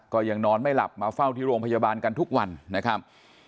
ก็ยังนอนไม่หลับมาเฝ้าที่โรงพยาบาลกันทุกวันนะครับ